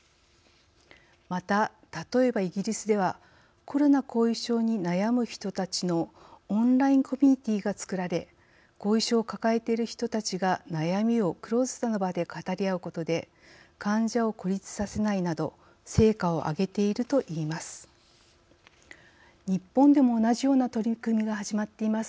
また、例えばイギリスではコロナ後遺症に悩む人たちのオンラインコミュニティーが作られ後遺症を抱えてる人たちが悩みをクローズドな場で語り合うことで患者を孤立させないなど成果を挙げているといいます。